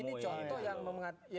ini contoh yang mengatakan bahwa